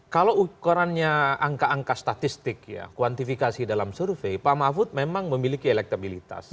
kalau ukurannya angka angka statistik ya kuantifikasi dalam survei pak mahfud memang memiliki elektabilitas